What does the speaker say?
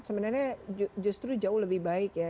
sebenarnya justru jauh lebih baik ya